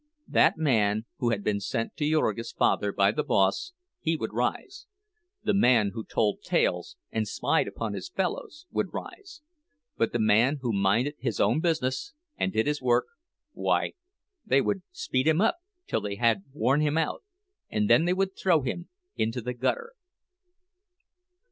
That man who had been sent to Jurgis' father by the boss, he would rise; the man who told tales and spied upon his fellows would rise; but the man who minded his own business and did his work—why, they would "speed him up" till they had worn him out, and then they would throw him into the gutter.